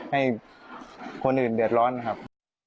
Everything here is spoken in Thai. ให้คนอื่นเดือดร้อนนะครับ